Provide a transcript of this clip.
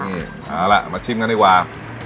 นี่เอาล่ะมาชิมกันดีกว่า